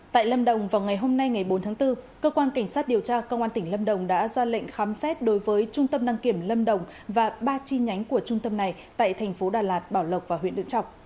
tại lâm đồng vào ngày hôm nay ngày bốn tháng bốn cơ quan cảnh sát điều tra công an tỉnh lâm đồng đã ra lệnh khám xét đối với trung tâm đăng kiểm lâm đồng và ba chi nhánh của trung tâm này tại thành phố đà lạt bảo lộc và huyện đức trọng